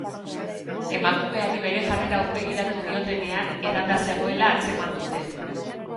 Emakumeari bere jarrera aurpegiratu diotenean, edanda zegoela atzeman dute.